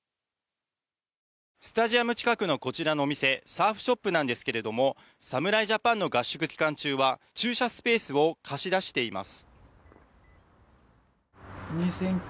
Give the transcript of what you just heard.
スタジアム近くのこちらのお店サーフショップなんですけども侍ジャパンの合宿期間中は駐車スペースを貸し出しています。